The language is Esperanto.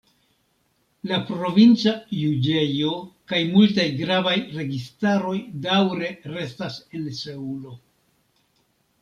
La provinca juĝejo kaj multaj gravaj registaroj daŭre restas en Seulo.